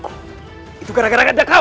keturunan yang diperlukan adalah